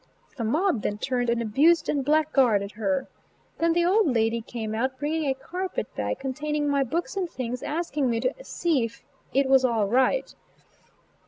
The mob then turned and abused and blackguarded her. Then the old lady came out, bringing a carpet bag containing my books and things, asking me to see if "it was all right."